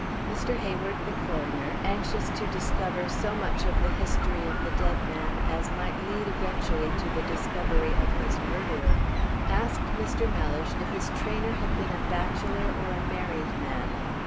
Mr. Hayward, the coroner, anxious to discover so much of the history of the dead man as might lead eventually to the discovery of his murderer, asked Mr. Mellish if his trainer had been a bachelor or a married man.